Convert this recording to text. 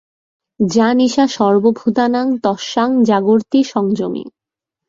যা নিশা সর্বভূতানাং তস্যাং জাগর্তি সংযমী।